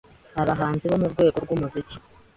Abahanzi bo mu rwego rw’umuziki,